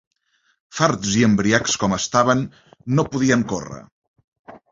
Farts i embriacs com estaven, no podien córrer.